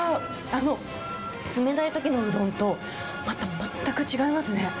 あの冷たいときのうどんと、また全く違いますね。